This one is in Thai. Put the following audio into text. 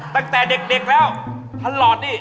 ตั้งแต่เด็กแล้วท่านหลอดนี่